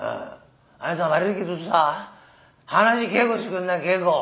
「あにさん悪いけどさ噺稽古してくんない稽古」。